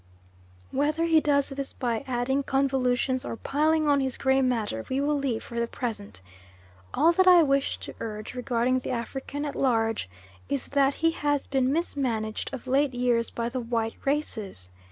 Whether he does this by adding convolutions or piling on his gray matter we will leave for the present. All that I wish to urge regarding the African at large is that he has been mismanaged of late years by the white races.